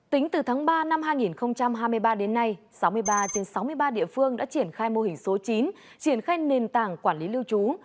tính từ tháng ba năm hai nghìn hai mươi ba đến nay sáu mươi ba trên sáu mươi ba địa phương đã triển khai mô hình số chín triển khai nền tảng quản lý lưu trú